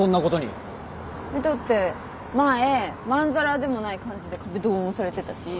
だって前まんざらでもない感じで壁ドンされてたし。